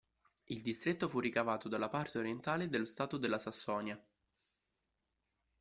Il distretto fu ricavato dalla parte orientale dello stato della Sassonia.